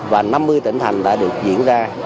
và năm mươi tỉnh thành đã được diễn ra